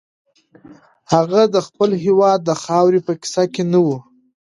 هغه د خپل هېواد د خاورې په کیسه کې نه و.